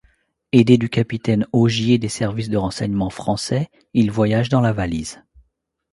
Aidé du capitaine Augier des services de renseignements français, il voyage dans la valise.